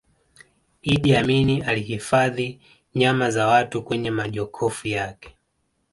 iddi amini alihifadhi nyama za watu kwenye majokofu yake